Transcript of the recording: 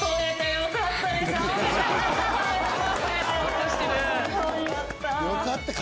よかった。